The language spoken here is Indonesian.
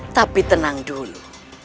tapi tenang dulu